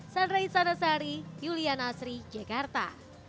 sandra insanasari julian asri jakarta